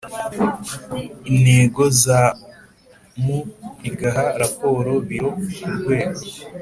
Intego za rnmu igaha raporo biro ku rwego